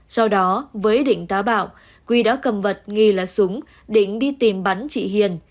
sau đó với ý định tá bạo quý đã cầm vật nghi là súng định đi tìm bắn chị hiền